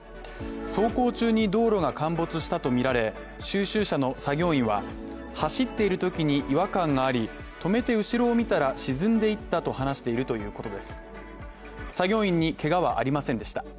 走行中に道路が陥没したとみられ収集車の作業員は、走っているときに違和感がありとめて後ろを見たら沈んでいったと話しているということです。